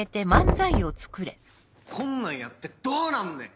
こんなんやってどうなんねん？